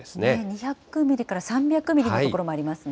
２００ミリから３００ミリの所もありますね。